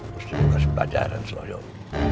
pasti berhasil belajaran seloyot